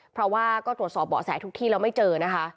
เพราะว่าก็ตรวจสอบเบาะแสทุกที่แล้วไม่เจอนะคะ